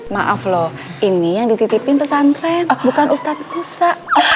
maaf lho ini yang dititipin pesantren bukan ustadz musa